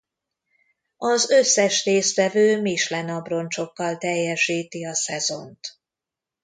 Az összes résztvevő Michelin abroncsokkal teljesítit a szezont.